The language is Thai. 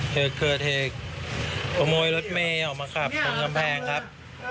เครือเครือเทคขโมยรถเมฆออกมาขับตรงกำแพงครับ